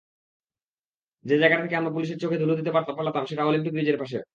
যে জায়গাটা থেকে আমরা পুলিশের চোখে ধুলো দিয়ে পালাতাম সেটা অলিম্পিক ব্রীজের পাশে।